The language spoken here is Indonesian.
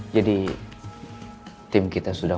jadi tim kita sudah